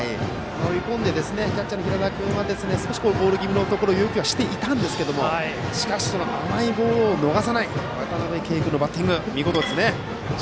追い込んでキャッチャーの平田君は少しボール気味のところを要求していたんですがしかし甘いボールを逃さない渡辺憩君のバッティング見事ですね。